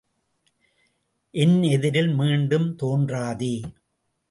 என் எதிரில் மீண்டும் தோன்றாதே!